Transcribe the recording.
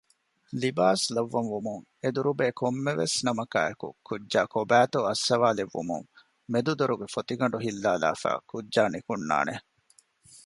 ލިބާސް ލައްވަންވުމުން އެދުރުބޭ ކޮންމެވެސް ނަމަކާއެކު ކުއްޖާ ކޮބައިތޯ އައްސަވާލެއްވުމުން މެދު ދޮރުގެ ފޮތިގަނޑު ހިއްލާލާފައި ކުއްޖާ ނިކުންނާނެ